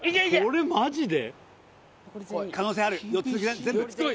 これマジで？